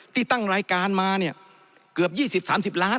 ตั้งรายการมาเนี่ยเกือบ๒๐๓๐ล้าน